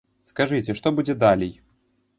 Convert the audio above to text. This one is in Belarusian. Скажыце, што будзе далей!